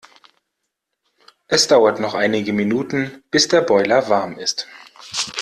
Es dauert noch einige Minuten, bis der Boiler warm ist.